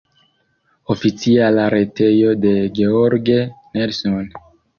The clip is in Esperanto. Oficiala retejo de George Nelson.